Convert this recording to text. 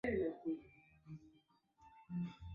kwa sababu ya kuyapeleka majeshi yake huko somali